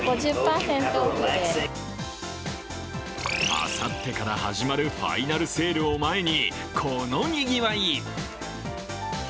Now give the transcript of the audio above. あさってから始まるファイナルセールを前に、このにぎわい。